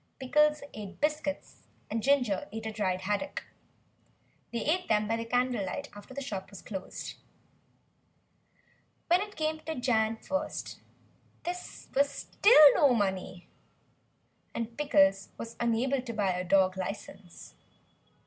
Pickles ate biscuits and Ginger ate a dried haddock. They ate them by candle light after the shop was closed. When it came to Jan. 1st there was still no money, and Pickles was unable to buy a dog licence.